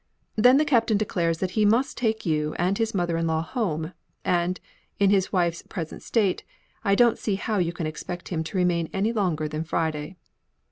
Then the Captain declares he must take you and his mother in law home; and, in his wife's present state, I don't see how you can expect him to remain away longer than Friday.